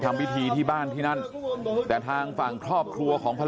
ชาวบ้านในพื้นที่บอกว่าปกติผู้ตายเขาก็อยู่กับสามีแล้วก็ลูกสองคนนะฮะ